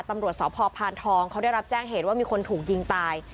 ตำรวจสพพานทองเขาได้รับแจ้งเหตุว่ามีคนถูกยิงตาย